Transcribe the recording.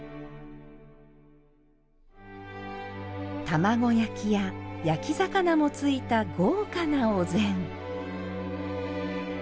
玉子焼きや焼き魚も付いた豪華なお膳。